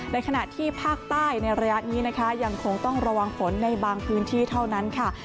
ในขณะที่ภาคใต้ในระยะนี้นะคะยังคงต้องระวังฝนในบางพื้นที่เท่านั้นค่ะ